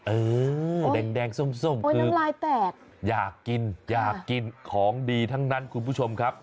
เออแดงส้มคืออยากกินอยากกินของดีทั้งนั้นคุณผู้ชมครับ